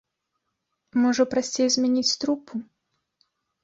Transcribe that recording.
Можа, прасцей змяніць трупу?